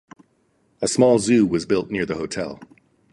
A small zoo was built near the hotel.